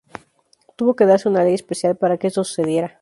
Tuvo que darse una ley especial para que esto sucediera.